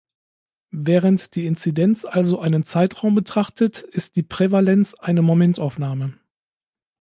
Während die Inzidenz also einen Zeitraum betrachtet, ist die Prävalenz eine Momentaufnahme.